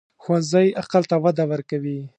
ښوونځی عقل ته وده ورکوي